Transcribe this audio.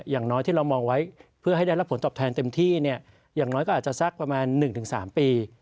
อย่างน้อยที่เรามองไว้เพื่อให้ได้รับผลตอบแทนเต็มที่อย่างน้อยก็อาจจะสักประมาณ๑๓ปี